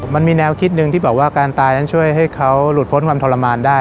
มันมีแนวคิดหนึ่งที่บอกว่าการตายนั้นช่วยให้เขาหลุดพ้นความทรมานได้